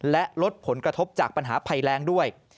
และลดผลกระทบจากปัญหาภัยแรงด้วย